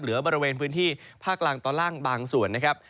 บริเวณพื้นที่ภาคล่างตอนล่างบางส่วนนะครับ